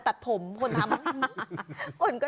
เออตัดผมคนทำ